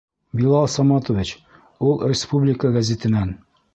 Билал Саматович, ул республика гәзитенән.